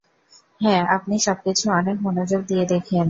হ্যাঁ - আপনি সবকিছু অনেক মনোযোগ দিয়ে দেখেন।